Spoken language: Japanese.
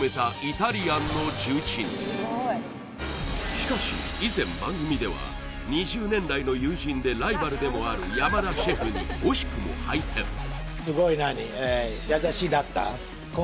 しかし以前番組では２０年来の友人でライバルでもある山田シェフに惜しくも敗戦彼